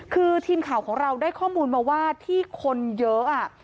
คือทีมข่าวของเราได้ข้อมูลมาว่าที่คนเยอะ